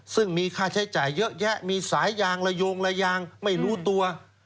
ซึ่งมีค่าใช้จ่ายเยอะแยะมีสายยางระโยงระยางไม่รู้ตัว